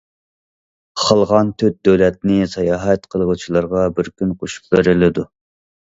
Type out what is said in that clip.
خالىغان تۆت دۆلەتنى ساياھەت قىلغۇچىلارغا بىر كۈن قوشۇپ بېرىلىدۇ.